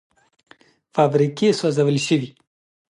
فابریکې وسوځول شوې.